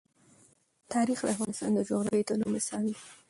تاریخ د افغانستان د جغرافیوي تنوع مثال دی.